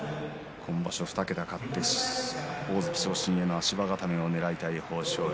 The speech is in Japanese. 今場所２桁勝って大関昇進の足場固めをねらいたい豊昇龍。